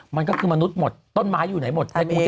มันก็คือมนุษย์หมดต้นไม้อยู่ไหนหมด